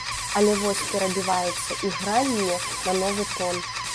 Але вось перабіваецца ігранне на новы тон.